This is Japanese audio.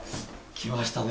来ましたね。